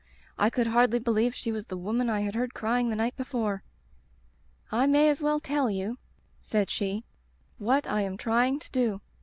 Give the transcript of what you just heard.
I could hardly believe she was the woman I had heard crying the night before. "*I may as well tell you/ said she, *what I am trying to do.